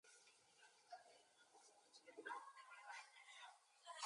Bonhof went on to coach.